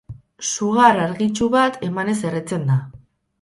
Sugar argitsu bat emanez erretzen da.